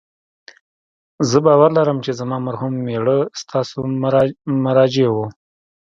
زه باور لرم چې زما مرحوم میړه ستاسو مراجع و